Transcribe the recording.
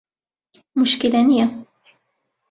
موشکیلە نیە.